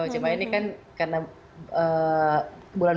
cuma ini kan karena bulan